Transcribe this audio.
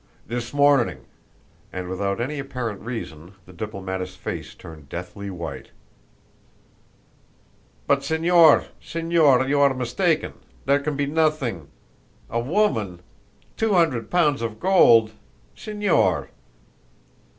"This morning," and without any apparent reason the diplomatist's face turned deathly white. "But, Señor Señor, you are mistaken! There can be nothing ! A woman! Two hundred pounds of gold! Señor!"